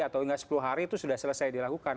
atau hingga sepuluh hari itu sudah selesai dilakukan